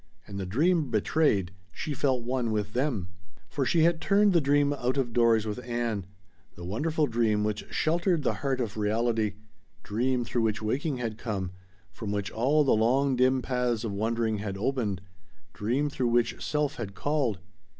And the dream betrayed she felt one with them. For she had turned the dream out of doors with Ann: the wonderful dream which sheltered the heart of reality, dream through which waking had come, from which all the long dim paths of wondering had opened dream through which self had called.